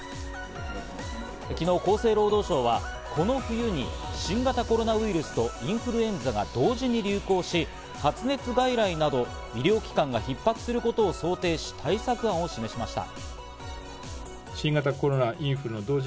昨日、厚生労働省はこの冬に新型コロナウイルスとインフルエンザが同時に流行し、発熱外来など医療機関がひっ迫することを想定し、対策案を示しました。